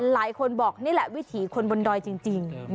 หลายคนบอกนี่แหละวิถีคนบนดอยจริง